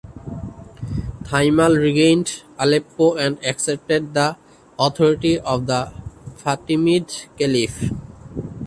Thimal regained Aleppo and accepted the authority of the Fatimid Caliph.